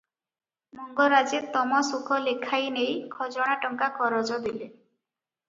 ମଙ୍ଗରାଜେ ତମସୁକ ଲେଖାଇନେଇ ଖଜଣା ଟଙ୍କା କରଜ ଦେଲେ ।